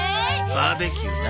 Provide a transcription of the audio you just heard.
バーベキューな。